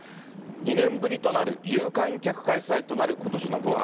２年ぶりとなる有観客開催となることしの紅白。